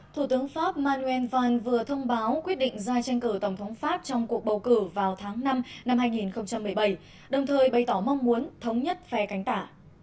thủ tướng pháp maruel vừa thông báo quyết định ra tranh cử tổng thống pháp trong cuộc bầu cử vào tháng năm năm hai nghìn một mươi bảy đồng thời bày tỏ mong muốn thống nhất phe cánh tả